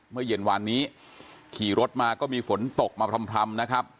เมื่อเย็นวานนี้ขี่รถมาก็มีฝนตกมาพร่ำนะครับ